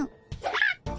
あっ。